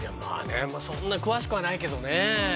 そんな詳しくはないけどね。